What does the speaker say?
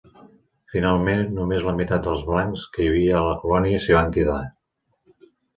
Finalment, només la meitat dels blancs que hi havia a la colònia s'hi van quedar.